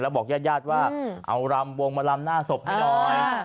และบอกญาติว่าเอารำวงมาลำหน้าศพให้ดอย